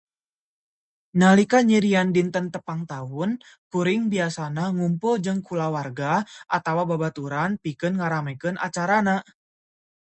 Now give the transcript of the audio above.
Nalika nyirian dinten tepang taun, kuring biasana ngumpul jeung kulawarga atawa babaturan pikeun ngaramekeun acarana.